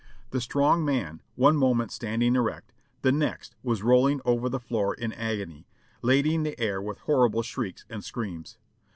The strong man, one moment standing erect, the next was rolling over the floor in agony, lading the air with horrible shrieks and screams.